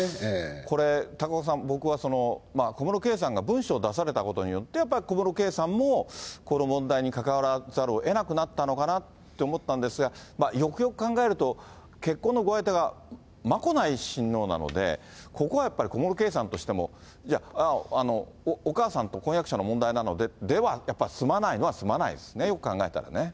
これ、高岡さん、僕は小室圭さんが文書を出されたことによって、やっぱり小室圭さんもこの問題に関わらざるをえなくなったのかなと思ったんですが、よくよく考えると、結婚のご相手が眞子内親王なので、ここはやっぱり、小室圭さんとしても、いや、お母さんと婚約者の問題なので、ではやっぱり済まないのは済まないですね、よく考えたらね。